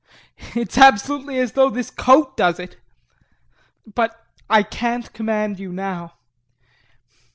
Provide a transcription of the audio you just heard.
It is absolutely as though this coat does it but I can't command you now.